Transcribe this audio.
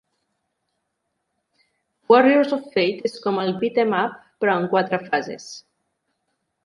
"Warriors of Fate" és com el Beat 'em up, però en quatre fases.